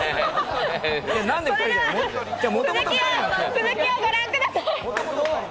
続きをご覧ください。